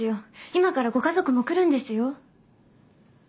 今からご家族も来るんですよ。